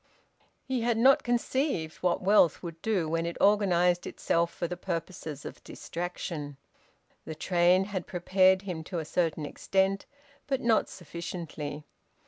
He had not conceived what wealth would do when it organised itself for the purposes of distraction. The train had prepared him to a certain extent, but not sufficiently.